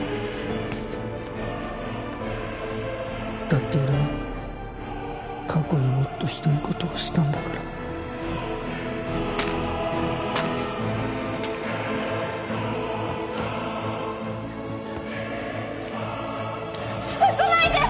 だって俺は過去にもっとひどい事をしたんだから。来ないで！